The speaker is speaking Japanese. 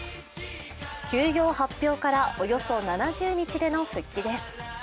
休養発表からおよそ７０日での復帰です。